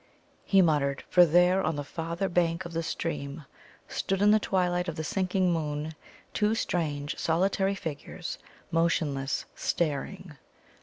he muttered, for there, on the farther bank of the stream, stood in the twilight of the sinking moon two strange, solitary figures, motionless, staring.